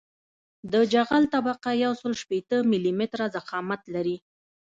د جغل طبقه یوسل شپیته ملي متره ضخامت لري